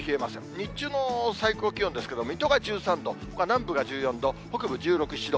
日中の最高気温ですけれども、水戸が１３度、ほか南部が１４度、北部１６、７度。